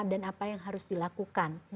dan apa yang harus dilakukan